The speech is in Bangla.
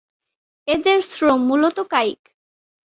এঁদের শ্রম মূলত কায়িক।